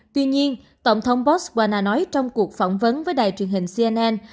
tuy nhiên tổng thống botswana nói trong cuộc phỏng vấn với đài truyền hình cnn